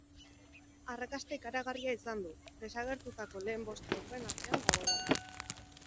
Arrakasta ikaragarria izan du, deskargatutako lehen bost jokoen artean dagoelako.